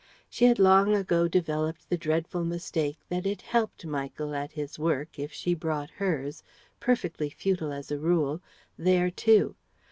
She had long ago developed the dreadful mistake that it "helped" Michael at his work if she brought hers (perfectly futile as a rule) there too.